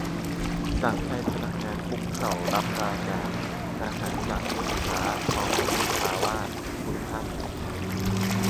สั่งให้พนักงานคุกเข่ารับรายการอาหารจากลูกค้าพร้อมเรียกลูกค้าว่า "คุณท่าน" ?